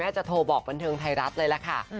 จะโทรบอกบันเทิงไทยรัฐเลยล่ะค่ะ